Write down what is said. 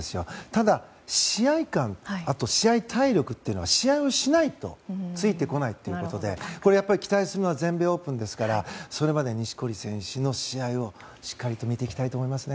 ただ、試合感あと試合体力っていうのは試合をしないとついてこないのでやっぱり期待するのは全米オープンですからそれまで錦織選手の試合をしっかりと見ていきたいと思います。